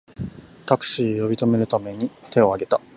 タクシーを呼び止めるために手をあげた